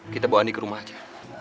kita bawa andi ke rumah aja